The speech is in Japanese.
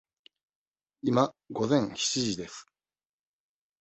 今、午前七時です。